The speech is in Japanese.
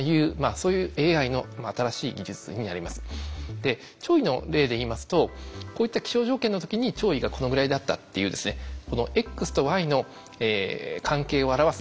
で潮位の例で言いますとこういった気象条件の時に潮位がこのぐらいだったっていうですねうん。